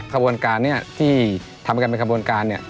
ขบวนการที่ทำกันเป็นขบวนการ